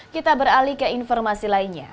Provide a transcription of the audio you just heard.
kita beralih ke informasi lainnya